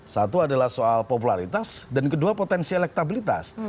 satu adalah soal popularitas dan kedua potensi elektabilitas